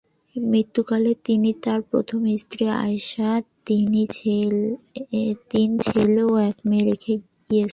মৃত্যুকালে তিনি তার প্রথম স্ত্রী আয়েশা, তিন ছেলে ও এক মেয়ে রেখে গিয়েছেন।